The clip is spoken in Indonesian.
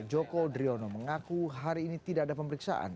joko driono mengaku hari ini tidak ada pemeriksaan